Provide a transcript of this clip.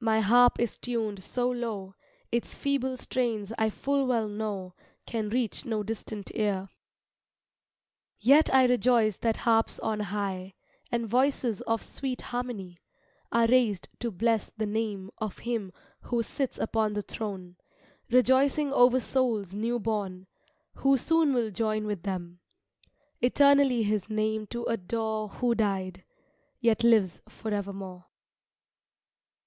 my harp is tuned so low, Its feeble strains I full well know Can reach no distant ear. Yet I rejoice that harps on high, And voices of sweet harmony, Are raised to bless the name Of Him who sits upon the throne, Rejoicing over souls new born, Who soon will join with them, Eternally His name to adore Who died, yet lives forevermore.